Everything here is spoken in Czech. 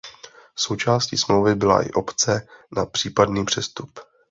Součástí smlouvy byla i opce na případný přestup.